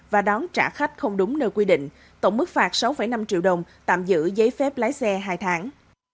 và đón trả khách không đúng nơi quy định tổng mức phạt sáu năm triệu đồng tạm giữ giấy phép lái xe hai tháng